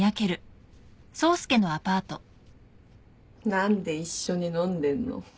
何で一緒に飲んでんの？